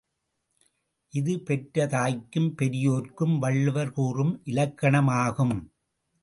இது பெற்ற தாய்க்கும் பெரியோர்க்கு வள்ளுவர் கூறும் இலக்கணமாகும்.